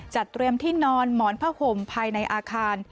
จัดเตรียมที่นอนหมอนผ้าห่มภายในอาคาร